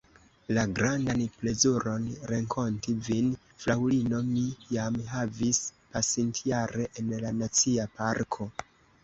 La grandan plezuron renkonti vin, fraŭlino, mi jam havis pasintjare en la Nacia Parko.